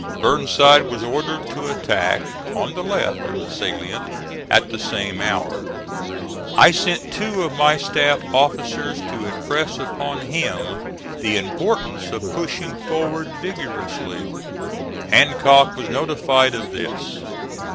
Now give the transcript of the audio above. Burnside was ordered to attack (*29) on the left of the salient at the same hour. I sent two of my staff officers to impress upon him the importance of pushing forward vigorously. Hancock was notified of this.